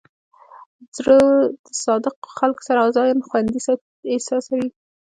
زړه د صادقو خلکو سره ځان خوندي احساسوي.